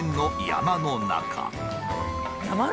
山の中？